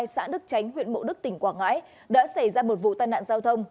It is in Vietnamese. xã đức chánh huyện mộ đức tỉnh quảng ngãi đã xảy ra một vụ tàn nạn giao thông